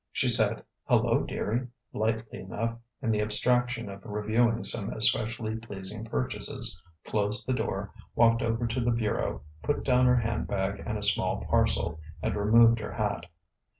She said "Hello, dearie!" lightly enough in the abstraction of reviewing some especially pleasing purchases, closed the door, walked over to the bureau, put down her handbag and a small parcel, and removed her hat.